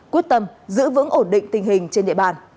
quyết tâm giữ vững ổn định tình hình trên địa bàn